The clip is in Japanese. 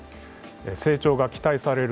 成長が期待される